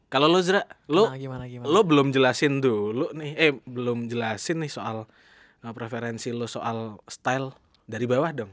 kalau lu zera lu belum jelasin tuh lu nih eh belum jelasin nih soal preferensi lu soal style dari bawah dong